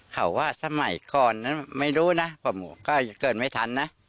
เขาว่าสมัยก่อนนั้นไม่รู้นะกว่าหมูก็เกิดไม่ทันนะ